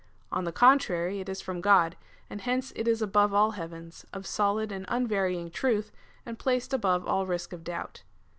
On the contrary, it is from God, and hence it is above all heavens, of solid and unvarying truth, and placed above all risk of doubt."